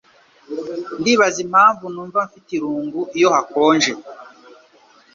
Ndibaza impamvu numva mfite irungu iyo hakonje